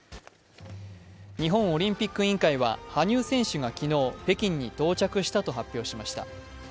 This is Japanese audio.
日本オリンピック委員会は羽生選手が昨日、北京に到着したと発表しました。